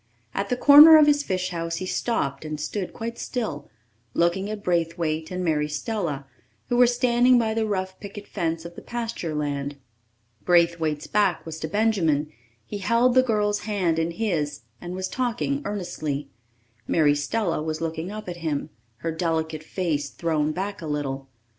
At the corner of his fish house he stopped and stood quite still, looking at Braithwaite and Mary Stella, who were standing by the rough picket fence of the pasture land. Braithwaite's back was to Benjamin; he held the girl's hand in his and was talking earnestly. Mary Stella was looking up at him, her delicate face thrown back a little.